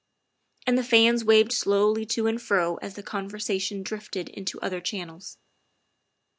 And the fans waved slowly to and fro as the conver sation drifted into other channels.